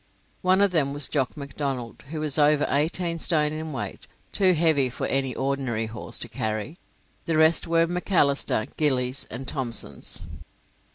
One of them was Jock Macdonald, who was over eighteen stone in weight, too heavy for any ordinary horse to carry; the rest were Macalisters, Gillies, and Thomsons.